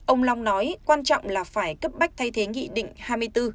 ông long nói quan trọng là phải cấp bách thay thế nghị định hai mươi bốn